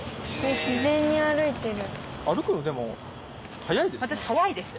自然に歩いてる。